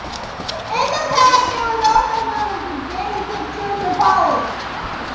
In the past it was also known as the "Jansenist Church of Holland".